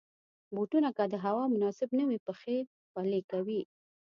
بوټونه که د هوا مناسب نه وي، پښې خولې کوي.